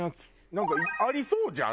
なんかありそうじゃん